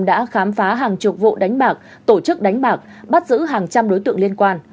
đã khám phá hàng chục vụ đánh bạc tổ chức đánh bạc bắt giữ hàng trăm đối tượng liên quan